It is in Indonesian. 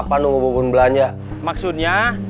jangan lupa berlangganan ya